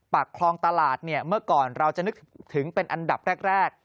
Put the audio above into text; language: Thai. ปากคลองตลาดเนี่ยเมื่อก่อนเราจะนึกถึงเป็นอันดับแรก